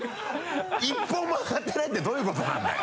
１本もあがってないってどういうことなんだよ。